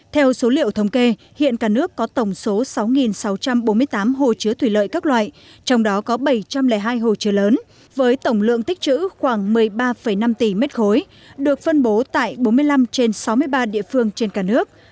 theo số liệu thống kê hiện cả nước có tổng số sáu sáu trăm bốn mươi tám hồ chứa thủy lợi các loại trong đó có bảy trăm linh hai hồ chứa lớn với tổng lượng tích chữ khoảng một mươi ba năm tỷ m ba được phân bố tại bốn mươi năm trên sáu mươi ba địa phương trên cả nước